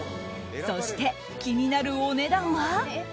そして、気になるお値段は。